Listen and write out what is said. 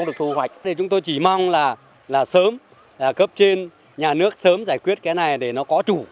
chúng tôi chỉ mong là sớm cấp trên nhà nước sớm giải quyết cái này để nó có chủ